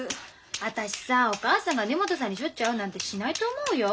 私さお母さんが根本さんにしょっちゅう会うなんてしないと思うよ。